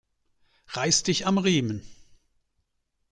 Reiß dich am Riemen!